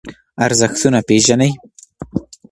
ارزښتونه پېژنئ.